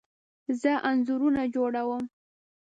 زه انځورونه جوړه وم